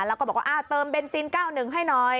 แล้วก็บอกว่าเติมเบนซิน๙๑ให้หน่อย